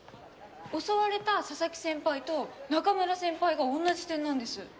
襲われた佐々木先輩と中村先輩が同じ点なんです。